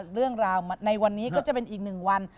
เรื่องราวในวันนี้ก็จะเป็นอีก๑วัน